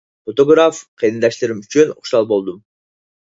فوتوگراف قېرىنداشلىرىم ئۈچۈن خۇشال بولدۇم.